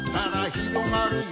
ひろがる！